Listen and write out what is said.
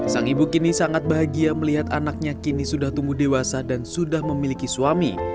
sang ibu kini sangat bahagia melihat anaknya kini sudah tumbuh dewasa dan sudah memiliki suami